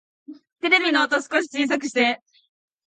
テレビの音、少し小さくして